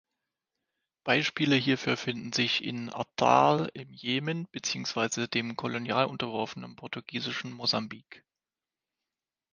Beispiele hierfür finden sich in at-Talh im Jemen beziehungsweise dem kolonial unterworfenen portugiesischen Mosambik.